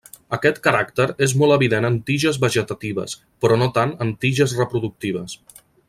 Aquest caràcter és molt evident en tiges vegetatives però no tant en tiges reproductives.